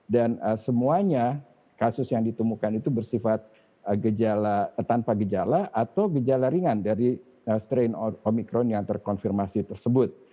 dan semuanya kasus yang ditemukan itu bersifat tanpa gejala atau gejala ringan dari strain omikron yang terkonfirmasi tersebut